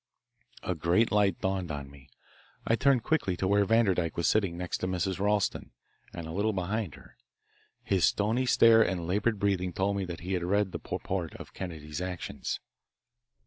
A great light dawned on me. I turned quickly to where Vanderdyke was sitting next to Mrs. Ralston, and a little behind her. His stony stare and laboured breathing told me that he had read the purport of Kennedy's actions.